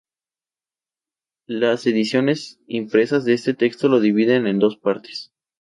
Las ediciones impresas de este texto lo dividen en dos partes.